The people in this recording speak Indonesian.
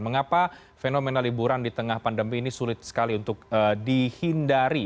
mengapa fenomena liburan di tengah pandemi ini sulit sekali untuk dihindari